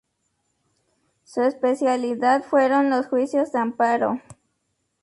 Su especialidad fueron los Juicios de Amparo.